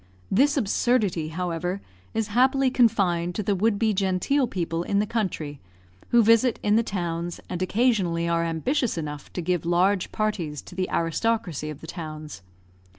This absurdity, however, is happily confined to the would be genteel people in the country, who visit in the towns, and occasionally are ambitious enough to give large parties to the aristocracy of the towns.